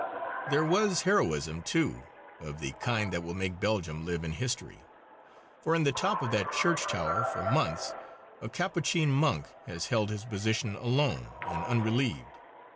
There was heroism, too, of the kind that will make Belgium live in history. For in the top of that church tower for months a Capuchin monk has held his position alone and unrelieved.